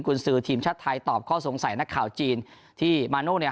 คุณสือทีมชัดท้ายตอบข้อสงสัยนักข่าวจีนที่เมื่อกี้